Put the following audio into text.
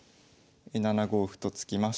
７五歩と突きまして。